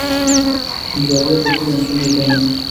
কিন্তু ভাবিয়া দেখিলেন, কোনো উপায় নাই।